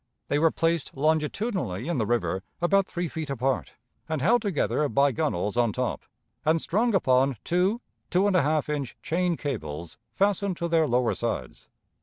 They were placed longitudinally in the river, about three feet apart, and held together by gunwales on top, and strung upon two two and a half inch chain cables fastened to their lower sides.